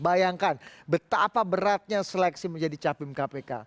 bayangkan betapa beratnya seleksi menjadi capim kpk